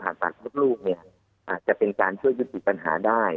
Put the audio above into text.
อาจจะเป็นการช่วยยึดสิทธิปัญหาได้